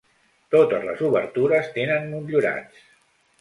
Totes les obertures tenen motllurats.